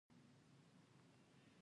ګرمې جامې ماشوم له یخنۍ ساتي۔